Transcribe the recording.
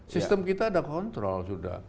sistem kita ada kontrol sudah